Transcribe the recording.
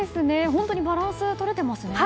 本当にバランスがとれてますね。